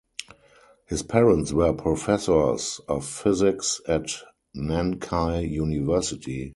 His parents were professors of physics at Nankai University.